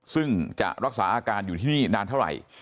ซึ่งจะรักษาอาการอยู่ที่นี่นานเท่าไหร่